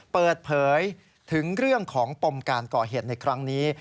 เปิดเผยถึงเรื่องของปมการก่อเหตุในครั้งนี้